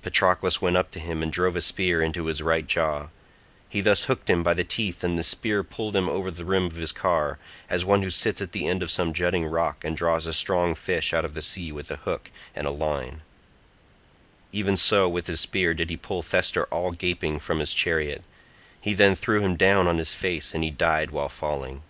Patroclus went up to him and drove a spear into his right jaw; he thus hooked him by the teeth and the spear pulled him over the rim of his car, as one who sits at the end of some jutting rock and draws a strong fish out of the sea with a hook and a line—even so with his spear did he pull Thestor all gaping from his chariot; he then threw him down on his face and he died while falling.